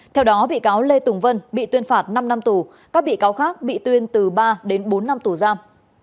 theo đó bị cáo lê tùng vân bị tuyên phạt năm năm tù các bị cáo khác bị tuyên từ ba đến bốn năm tù giam